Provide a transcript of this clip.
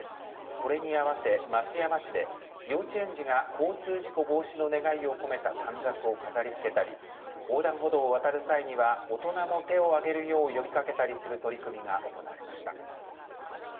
これに合わせ、松山市で幼稚園児が交通事故防止の願いを込めた短冊を飾りつけたり横断歩道を渡る際には大人も手をあげるよう呼びかけたりする取り組みが行われました。